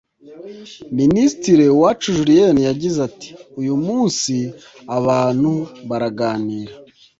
Minisitiri Uwacu Julienne yagize ati “Uyu munsi abantu baraganira